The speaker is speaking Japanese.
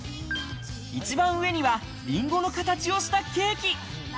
一番上にはリンゴの形をしたケーキ。